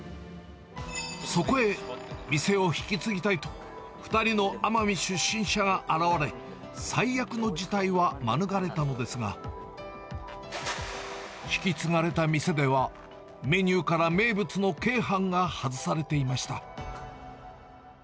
そこへ、店を引き継ぎたいと、２人の奄美出身者が現れ、最悪の事態は免れたのですが、引き継がれた店では、メニューから名物の鶏飯が外されていました。